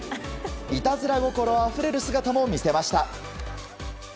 いたずら心あふれる姿も見せました。